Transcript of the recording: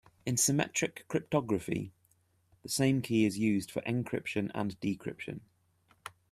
In symmetric cryptography the same key is used for encryption and decryption.